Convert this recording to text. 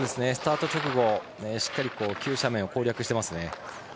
スタート直後しっかり急斜面を攻略していますね。